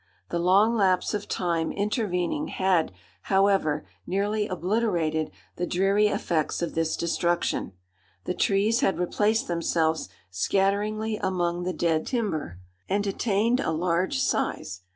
The long lapse of time intervening had, however, nearly obliterated the dreary effects of this destruction. The trees had replaced themselves scatteringly among the dead timber, and attained a large size.